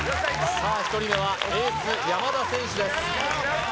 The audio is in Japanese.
さあ１人目はエース山田選手です